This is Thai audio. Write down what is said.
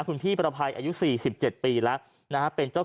คุณพี่ประภัยอายุ๔๗ปีแล้วนะฮะ